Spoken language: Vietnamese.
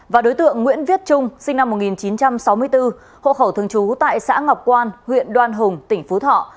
và đối tượng nguyễn viết trung sinh năm một nghìn chín trăm sáu mươi bốn hộ khẩu thường trú tại xã ngọc quan huyện đoan hùng tỉnh phú thọ